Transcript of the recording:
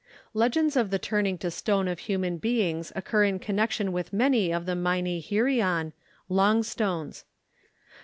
Legends of the turning to stone of human beings occur in connection with many of the meini hirion (long stones).